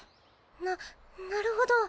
ななるほど。